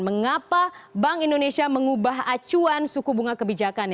mengapa bank indonesia mengubah acuan suku bunga kebijakan